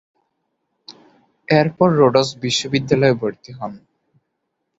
এরপর রোডস বিশ্ববিদ্যালয়ে ভর্তি হন।